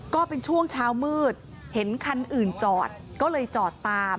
ก็เป็นช่วงเช้ามืดเห็นคันอื่นจอดก็เลยจอดตาม